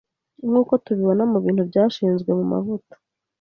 Nkuko tubibona mubintu byashizwe mumavuta